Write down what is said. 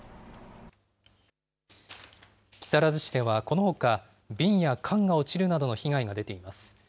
木更津市ではこのほか、瓶や缶が落ちるなどの被害が出ています。